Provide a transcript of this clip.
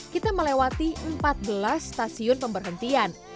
kita melewati empat belas stasiun pemberhentian